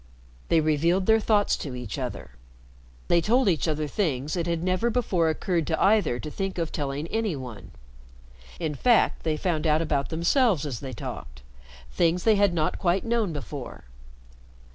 They revealed their thoughts to each other; they told each other things it had never before occurred to either to think of telling any one. In fact, they found out about themselves, as they talked, things they had not quite known before.